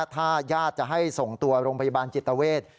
ถ้าญาติจะให้ส่งตัวโรงพยาบาลจิตเวท